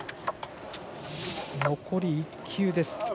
残り１球です。